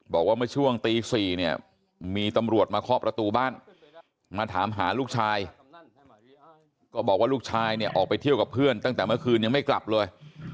บอกว่าเมื่อช่วงตี๔เนี่ยมีตำรวจมาเคาะประตูบ้านมาถามหาลูกชายก็บอกว่าลูกชายเนี่ยออกไปเที่ยวกับเพื่อนตั้งแต่เมื่อคืนยังไม่กลับเลย